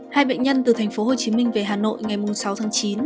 hai bệnh nhân từ thành phố hồ chí minh về hà nội ngày sáu tháng chín